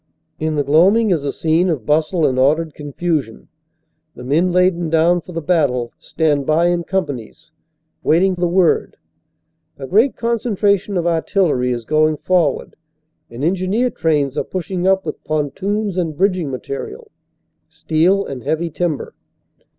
In the gloaming is a scene of bustle and ordered confusion. The men laden down for the battle, stand by in companies, waiting the word. A great concentration of artillery is going forward and engineer trains are pushing up with pontoons and bridging material, steel and heavy timber.